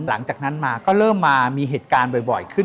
หลังจากนั้นมาก็เริ่มมามีเหตุการณ์บ่อยขึ้น